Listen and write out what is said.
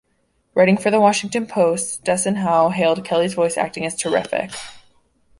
Writing for "The Washington Post", Desson Howe hailed Kelly's voice acting as "terrific.